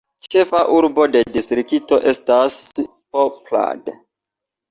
Ĉefa urbo de distrikto estas Poprad.